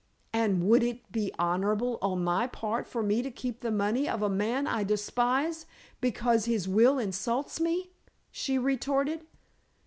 "And would it be honorable on my part for me to keep the money of a man I despise because his will insults me?" she retorted.